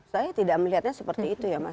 saya tidak melihatnya seperti itu ya mas